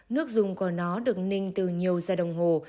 nước dùng của nó được ninh từ nhiều giờ đồng hồ